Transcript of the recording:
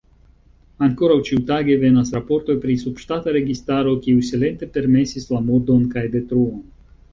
Ankoraŭ ĉiutage venas raportoj pri subŝtata registaro, kiu silente permesis la murdon kaj detruon.